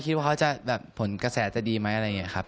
คิดว่าเขาจะแบบผลกระแสจะดีไหมอะไรอย่างนี้ครับ